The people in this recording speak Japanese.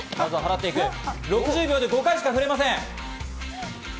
６０秒で５回しか振れません。